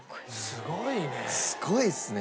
すごいね。